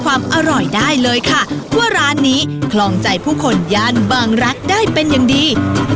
ความอร่อยได้เลยค่ะว่าร้านนี้คลองใจผู้คนย่านบางรักได้เป็นอย่างดี